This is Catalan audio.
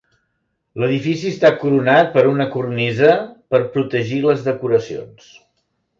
L'edifici està coronat per una cornisa per protegir les decoracions.